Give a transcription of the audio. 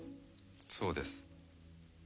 そうです。